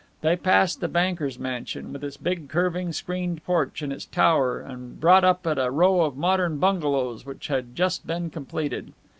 They passed the banker's mansion, with its big curving screened porch, and its tower, and brought up at a row of modern bungalows which had just been completed.